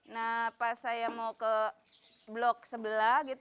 nah pas saya mau ke blok sebelah gitu